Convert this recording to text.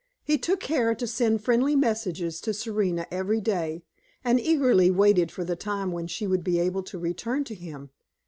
He took care to send friendly messages to Serena every day, and eagerly waited for the time when she would be able to return to him.